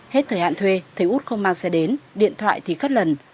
hết thời hạn thuê thấy út không mang xe đến điện thoại thì khất lần